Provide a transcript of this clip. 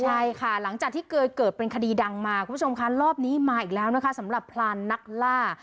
ใช่ค่ะหลังจากที่เคยเกิดเป็นคดีดังมาคุณผู้ชมคะรอบนี้มาอีกแล้วนะคะสำหรับพรานนักล่า